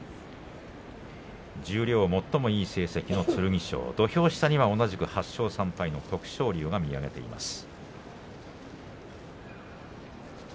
十両、最もいい成績の剣翔土俵下には同じく、８勝３敗の徳勝龍が見上げています。